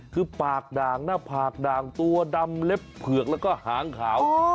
คือปากด่างหน้าผากด่างตัวดำเล็บเผือกแล้วก็หางขาว